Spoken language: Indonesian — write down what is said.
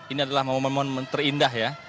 ini adalah momen momen terindah ya